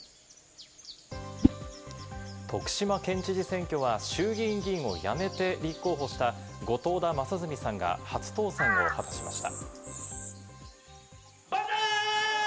徳島県知事選挙は衆議院議員を辞めて立候補した後藤田正純さんが初当選を果たしました。